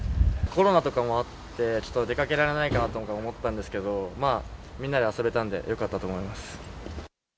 コロナとかもあって出かけられないかなと思ったんですけど、みんなで遊べたんでよかったと思います。